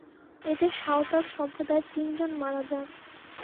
এতে সাঁওতাল সম্প্রদায়ের তিনজন মারা যান।